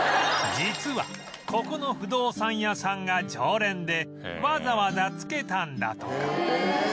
実はここの不動産屋さんが常連でわざわざつけたんだとか